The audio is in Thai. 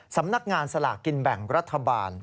สำนักงานสลากกินแบ่งรัฐบาล